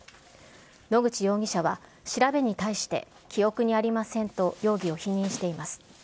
野口容疑者は調べに対して、記憶にありませんと、容疑を否認しています。